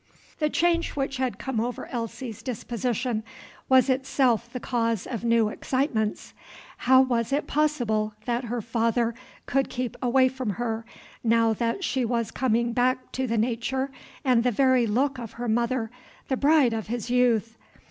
The change which had come over Elsie's disposition was itself the cause of new excitements. How was it possible that her father could keep away from her, now that she was coming back to the nature and the very look of her mother, the bride of his youth?